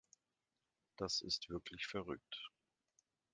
Das ist wirklich verrückt.